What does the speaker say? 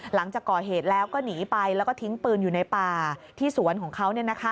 หลังจากก่อเหตุแล้วก็หนีไปแล้วก็ทิ้งปืนอยู่ในป่าที่สวนของเขา